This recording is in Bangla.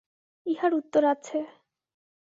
ইহার উত্তর আছে।